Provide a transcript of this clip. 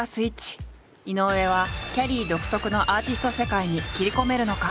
井上はきゃりー独特のアーティスト世界に切り込めるのか？